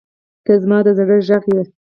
• ته زما د زړه غږ یې.